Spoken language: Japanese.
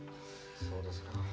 そうですか。